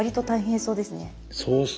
そうですね。